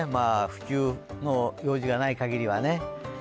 不急の用事がないかぎりはね。